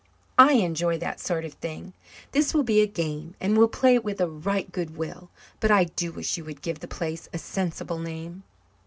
I enjoy that sort of thing. This will be a game, and we'll play it with a right good will. But I do wish you would give the place a sensible name."